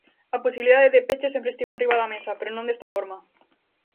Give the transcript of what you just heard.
A posibilidade de peche sempre estivo enriba da mesa, pero non desta forma.